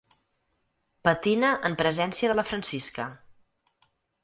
Patina en presència de la Francisca.